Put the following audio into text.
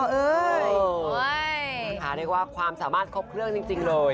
เรียกว่าความสามารถครบเครื่องจริงเลย